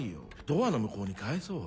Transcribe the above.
ドアの向こうにかえそう。